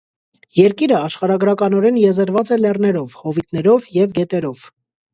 Երկիրը աշխարհագրականորեն եզերված է լեռներով, հովիտներով և գետերով։